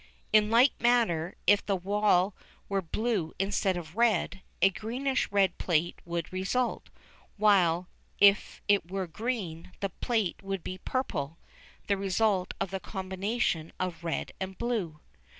In like manner, if the wall were blue instead of red, a greenish red plate would result, while if it were green, the plate would be a purple, the result of the combination of red and blue.